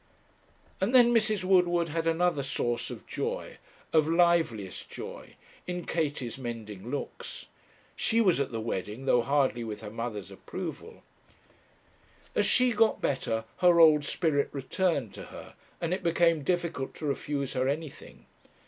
And then Mrs. Woodward had another source of joy, of liveliest joy, in Katie's mending looks. She was at the wedding, though hardly with her mother's approval. As she got better her old spirit returned to her, and it became difficult to refuse her anything.